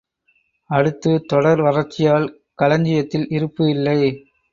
அடுத்து, தொடர் வறட்சியால் களஞ்சியத்தில் இருப்பு இல்லை.